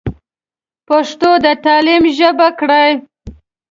پښتو د تعليم ژبه کړئ.